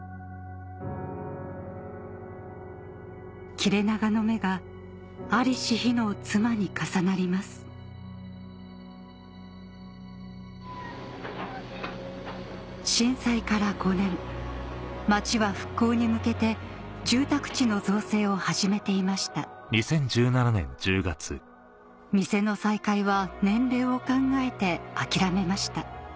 切れ長の目が在りし日の妻に重なります震災から５年町は復興に向けて住宅地の造成を始めていました店の再開は年齢を考えて諦めました